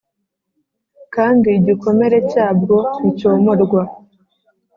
kandi igikomere cyabwo nticyomorwa.